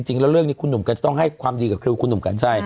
จริงแล้วเรื่องนี้คุณหนุ่มก็จะต้องให้ความดีกับครูคุณหนุ่มกัญชัย